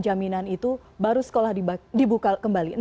jaminan itu baru sekolah dibuka kembali